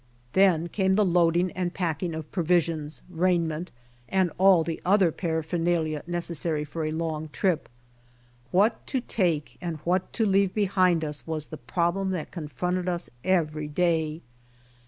Then came the loading and pack ing of provisions, raiment, and all the other parapher nalia necessary for a long trip. What to take and what to leave behind us was the problem that con fronted us every day.